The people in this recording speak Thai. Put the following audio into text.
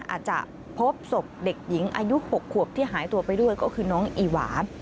อาจจะพบศพเด็กหญิงอายุ๖ขวบที่หายตัวไปด้วยก็คือน้องอีหวา